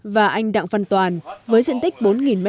và anh đặng văn toàn với diện tích bốn m hai